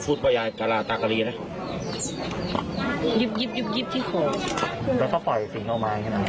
พอพูดพอยายกาลาตาการีนะยิบยิบยิบยิบที่โคแล้วก็ปล่อยสิ้นเท้าไม้ใช่ไหม